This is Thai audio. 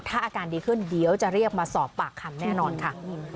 ถ้าอาการดีขึ้นเดี๋ยวจะเรียกมาสอบปากคำแน่นอนค่ะ